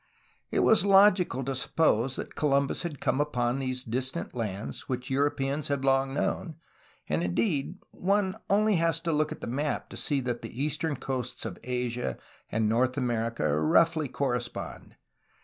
It was logical to suppose that Columbus had come upon these distant lands which Europeans had long known, and indeed one has only to look at the map to see that the eastern coasts of Asia and North America roughly correspond.